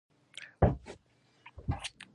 هغې د بام تر سیوري لاندې د مینې کتاب ولوست.